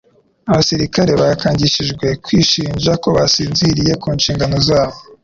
Abasirikari bakangishijwe kwishinja ko basinziriye ku nshingano zabo.